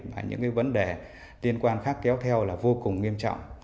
và những vấn đề tiên quan khác kéo theo là vô cùng nghiêm trọng